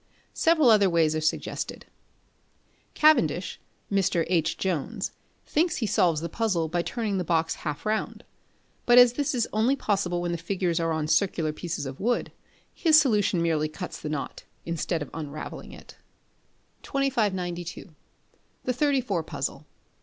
Several other ways are suggested. Cavendish (Mr. H. Jones) thinks he solves the puzzle by turning the box half round; but as this is only possible when the figures are on circular pieces of wood, his solution merely cuts the knot, instead of unravelling it. 2592. The Thirty Four Puzzle.